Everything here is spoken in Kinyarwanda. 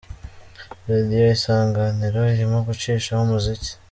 : Radio Isanganiro irimo gucishaho umuziki